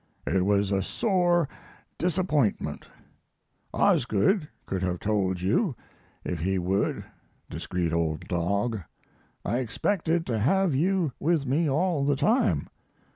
It was a sore disappointment. Osgood could have told you, if he would discreet old dog I expected to have you with me all the time.